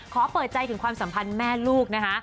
ขอเปิดใจถึงความสัมพันธ์แม่ลูกนะคะ